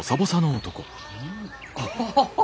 アハハハ